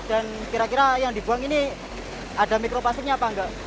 dan kira kira yang dibuang ini ada mikroplastiknya apa enggak